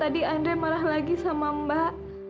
tadi andre marah lagi sama mbak